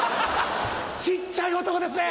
小っちゃい男ですね。